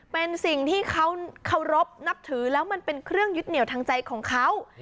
เป็นสิ่งที่เขาเคารพนับถือแล้วมันเป็นเครื่องยึดเหนียวทางใจของเขา